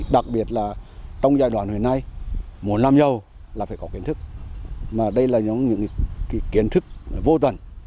đặc biệt là trong giai đoạn hồi nay muốn làm nhau là phải có kiến thức mà đây là những kiến thức vô tuần